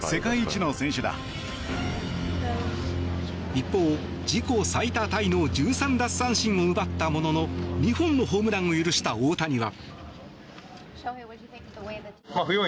一方、自己最多タイの１３奪三振を奪ったものの２本のホームランを許した大谷は。